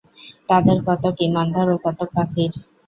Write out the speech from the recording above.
তাদের কতক ঈমানদার ও কতক কাফির।